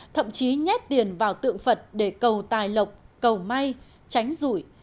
thậm chí nhét tiền vào tượng phật để cầu tài lộc cầu may tránh rủi